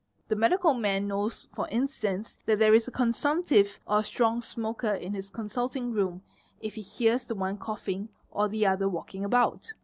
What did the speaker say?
The medical man knows for instance that there is a consumptive or a strong smoker in his consulting room, if he hears — the one coughing or the other walking about.